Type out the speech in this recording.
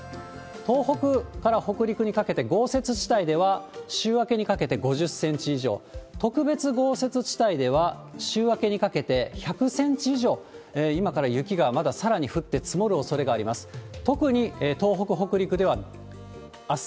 東北から北陸にかけて豪雪地帯では、週明けにかけて５０センチ以上、特別豪雪地帯では週明けにかけて１００センチ以上、今から雪がまださらに降って積もるおそれがあります。